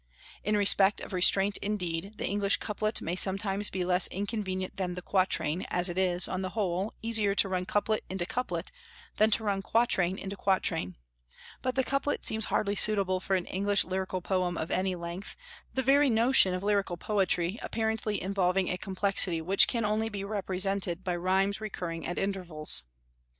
In respect of restraint, indeed, the English couplet may sometimes be less inconvenient than the quatrain, as it is, on the whole, easier to run couplet into couplet than to run quatrain into quatrain; but the couplet seems hardly suitable for an English lyrical poem of any length, the very notion of lyrical poetry apparently involving a complexity which can only be represented by rhymes recurring at intervals.